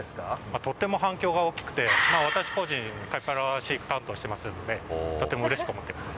とても反響が大きくて私個人、飼育担当してますのでとてもうれしく思っています。